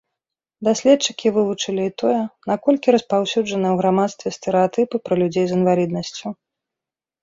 Даследчыкі вывучылі і тое, наколькі распаўсюджаныя ў грамадстве стэрэатыпы пра людзей з інваліднасцю.